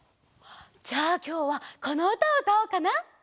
じゃあきょうはこのうたをうたおうかな。